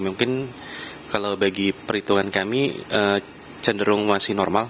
mungkin kalau bagi perhitungan kami cenderung masih normal